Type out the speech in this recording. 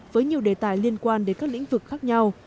với nhiều đề tài liên quan đến các lĩnh vực khác nhau